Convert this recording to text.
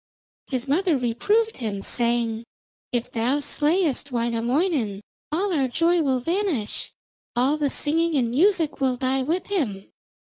His mother reproved him, saying, 'If thou slayest Wainamoinen all our joy will vanish, all the singing and music will die with him.